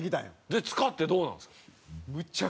で使ってどうなんですか？